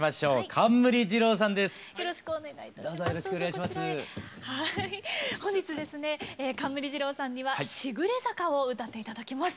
冠二郎さんには「しぐれ坂」を歌って頂きます。